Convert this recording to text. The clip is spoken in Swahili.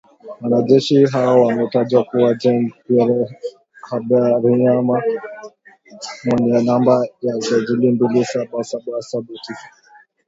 Wanajeshi hao wametajwa kuwa “Jean Pierre Habyarimana mwenye namba za usajili mbili saba saba saba tisa.